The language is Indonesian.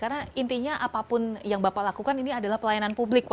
karena intinya apapun yang bapak lakukan ini adalah pelayanan publik